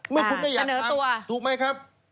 เมื่อคุณก็อยากทำถูกไหมครับเสนอตัว